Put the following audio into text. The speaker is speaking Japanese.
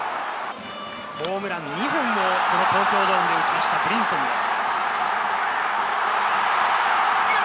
ホームラン２本をこの東京ドームで打ちました、ブリンソンです。